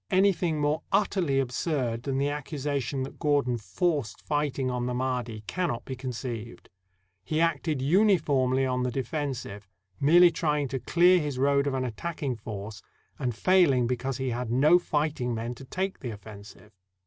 Anything more utterly absurd than the accu sation that Gordon forced fighting on the Mahdi caimot be conceived. He acted uniformly on the defensive, merely tr>ang to clear his road of an attacking force, and failing because he had no fighting men to take the offen sive.